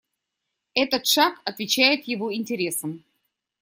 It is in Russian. Этот шаг отвечает его интересам.